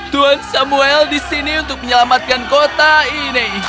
tuan samuel disini untuk menyelamatkan kota ini